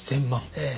ええ。